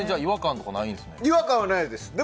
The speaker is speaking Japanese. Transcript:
違和感はないです。